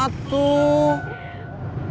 kamu harus tolong aku